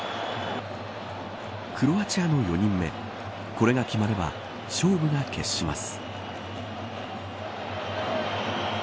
クロアチアの４人目これが決まれば勝負が決します。